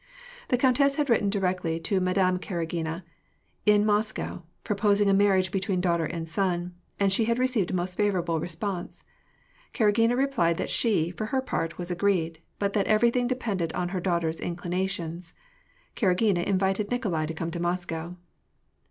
The countess had written directly to Madame Karagina, in Moscow, proposing a marriage between daughter and son ; and she had received a most favorable response. E^aragina replied that she, for her part, was agreed; but that everything depended on her daughter's inclinations. Karagina invited Nikolai to come to Moscow.